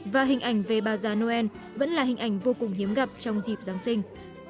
và hình ảnh về bà già noel vẫn là hình ảnh vô cùng hiếm gặp trong dịp giáng sinh